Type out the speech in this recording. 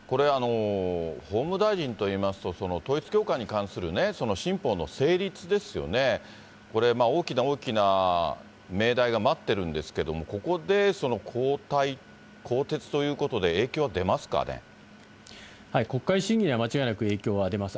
法務大臣といいますと、統一教会に関する新法の成立ですよね、これ、大きな大きな命題が待ってるんですけども、ここで交代、更迭とい国会審議には間違いなく影響があります。